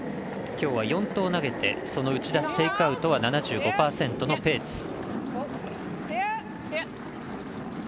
きょうは４投、投げてその打ち出すテイクアウトは７５％のペーツ。